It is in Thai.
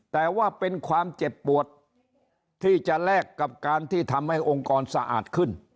แต่ว่าเป็นความเจ็บปวดที่จะแลกกับการที่ทำให้องค์กรสะอาดขึ้น